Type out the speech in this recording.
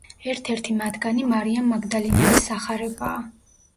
ერთ-ერთი მათგანი მარიამ მაგდალინელის სახარებაა.